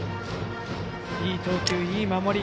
いい投球、いい守り。